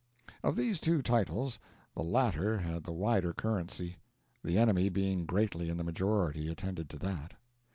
Of these two titles, the latter had the wider currency; the enemy, being greatly in the majority, attended to that.